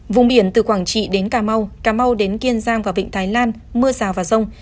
vùng biển từ quảng trị đến cà mau cà mau đến kiên giang và vịnh thái lan mưa rào và rông